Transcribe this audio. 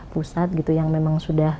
pusat gitu yang memang sudah